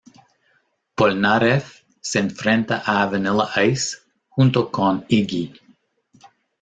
Polnareff se enfrenta a Vanilla Ice junto con Iggy.